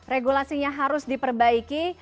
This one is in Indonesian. regulasinya harus diperbaiki